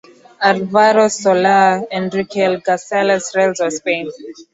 Álvaro Soler EnriqueIglesias Rels wa Spain